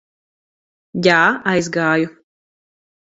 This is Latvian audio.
Jā, aizgāju.